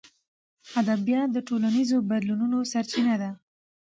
ادبیات د ټولنیزو بدلونونو سرچینه ده.